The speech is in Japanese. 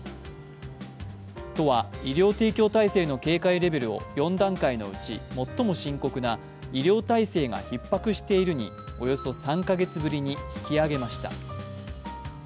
都は医療提供体制の警戒レベルを４段階のうち最も深刻な医療体制がひっ迫しているにおよそ３か月ぶりに引き上げました。